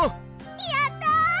やった！